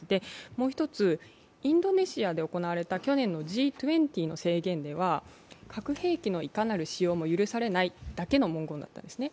もう１つ、インドネシアで行われた去年のＧ２０の宣言では核兵器のいかなる使用も許されないだけの文言だったんですね。